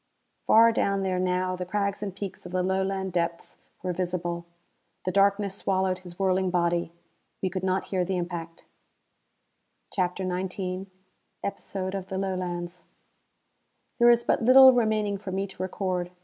Far down there now the crags and peaks of the Lowland depths were visible. The darkness swallowed his whirling body. We could not hear the impact. CHAPTER XIX Episode of the Lowlands There is but little remaining for me to record.